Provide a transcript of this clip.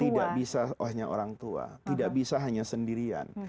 tidak bisa hanya orang tua tidak bisa hanya sendirian